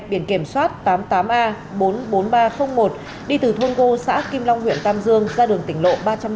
biển kiểm soát tám mươi tám a bốn mươi bốn nghìn ba trăm linh một đi từ thôn gô xã kim long huyện tam dương ra đường tỉnh lộ ba trăm năm mươi